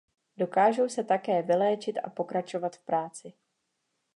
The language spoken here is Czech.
Dokážou se také vyléčit a pokračovat v práci.